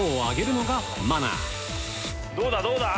どうだどうだ？